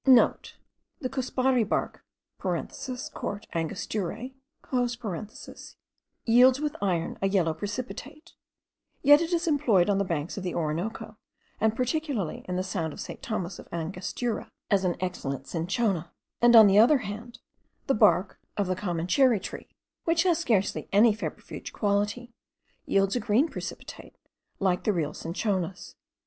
(* The cuspare bark (Cort. Angosturae) yields with iron a yellow precipitate; yet it is employed on the banks of the Orinoco, and particularly at the town of St. Thomas of Angostura, as an excellent cinchona; and on the other hand, the bark of the common cherry tree, which has scarcely any febrifuge quality, yields a green precipitate like the real cinchonas.